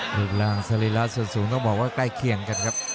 หลุดล่างสลิลาสูตรสูงต้องบอกว่าใกล้เคียงกันครับ